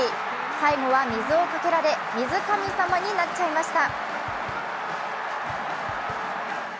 最後は水をかけられ、水神様になっちゃいまた。